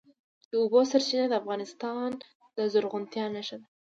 د اوبو سرچینې د افغانستان د زرغونتیا نښه ده.